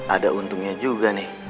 ada untungnya juga nih